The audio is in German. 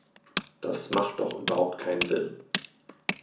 Das macht doch überhaupt keinen Sinn.